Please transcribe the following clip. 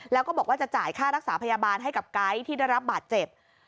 แล้วก็บอกว่าจะจ่ายค่ารักษาพยาบาลให้กับไก๊ที่ได้รับบาดเจ็บ